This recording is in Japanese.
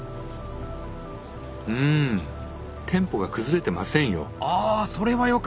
うんテンポが崩れてませんよ。